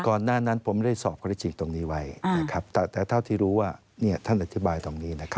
ก่อนหน้านั้นผมไม่ได้สอบข้อเท็จจริงตรงนี้ไว้นะครับแต่เท่าที่รู้ว่าเนี่ยท่านอธิบายตรงนี้นะครับ